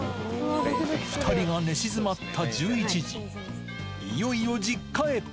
２人が寝静まった１１時、いよいよ実家へ。